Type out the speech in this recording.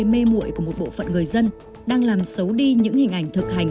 mê mụi của một bộ phận người dân đang làm xấu đi những hình ảnh thực hành